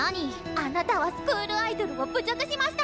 あなたはスクールアイドルを侮辱しマシタ！